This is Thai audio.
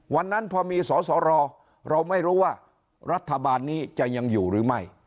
วันนั้นพอมีสอสอรอเราไม่รู้ว่ารัฐบาลนี้จะยังอยู่หรือไม่